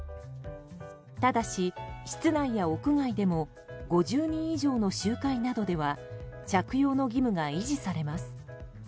ただし、室内や屋外でも５０人以上の集会などでは着用の義務が維持されます。